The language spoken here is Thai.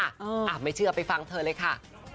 อ่ะไม่เชื่อไปฟังเธอเลยค่ะ